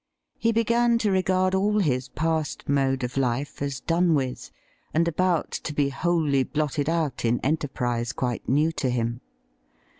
He began to regard all his past mode of life as done with, and about to be wholly blotted out in enterprise quite new to him.